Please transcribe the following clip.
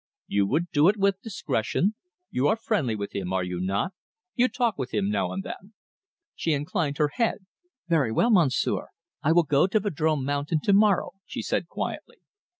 "You would do it with discretion. You are friendly with him, are you not? you talk with him now and then?" She inclined her head. "Very well, Monsieur. I will go to Vadrome Mountain to morrow," she said quietly.